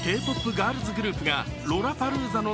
ガールズグループがロラパルーザの